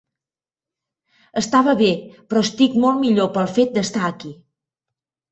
Estava bé, però estic molt millor pel fet d'estar aquí